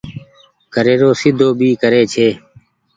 گهري رو سيڌو ڀي ڪري ڇي۔